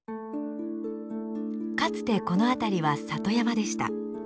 かつてこの辺りは里山でした。